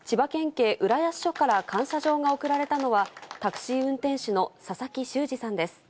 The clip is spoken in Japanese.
警浦安署から感謝状が贈られたのは、タクシー運転手の佐々木秀司さんです。